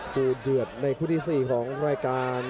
ดูเดือดในคู่ที่๔ของรายการ